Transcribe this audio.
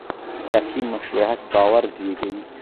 سیاسي مشروعیت باور زېږوي